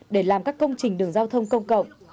để làm các công trình đường giao thông công cộng